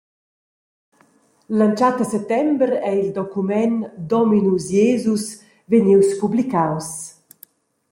L’entschatta settember ei il document «Dominus Iesus» vegnius publicaus.